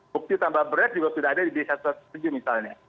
bukti tambah berat juga sudah ada di b satu ratus tujuh belas misalnya